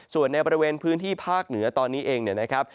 ส่วนในบริเวณพื้นที่ภาคเหนือตอนนี้เองเนี่ยนะครับ